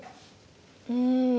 うん。